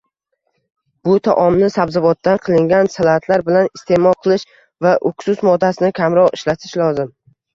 Bu taomni sabzavotdan qilingan salatlar bilan isteʼmol qilish va uksus moddasini kamroq ishlatish lozim.